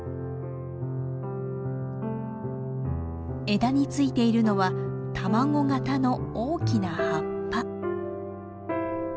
枝についているのは卵形の大きな葉っぱ。